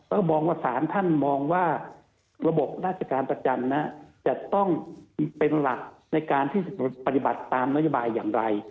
ก็มองว่าสารท่านมองว่าระบบราชการประจำจะต้องเป็นหลักในการที่จะปฏิบัติตามนโยบายอย่างไร